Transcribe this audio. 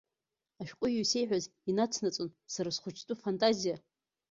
Ашәҟәыҩҩы исеиҳәаз инацнаҵон сара схәыҷтәы фантазиа.